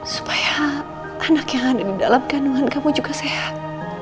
supaya anak yang ada di dalam kandungan kamu juga sehat